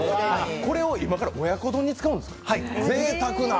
これを今から親子丼に使うんですか、ぜいたくな。